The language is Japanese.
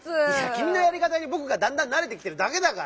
きみのやりかたにぼくがだんだんなれてきてるだけだから！